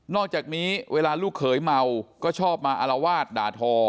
อกจากนี้เวลาลูกเขยเมาก็ชอบมาอารวาสด่าทอ